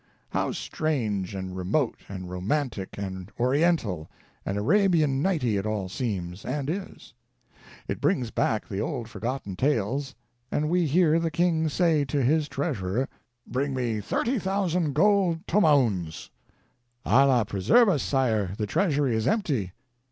How strange and remote and romantic and Oriental and Arabian Nighty it all seems — and is. It brings back the old for gotten tales, and we hear the King say to his Treasurer : "Bring me 30,000 gold tomauns." "Allah preserve us, Sire! the treasury is empty."